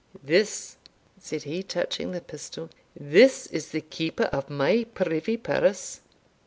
"This," said he touching the pistol "this is the keeper of my privy purse."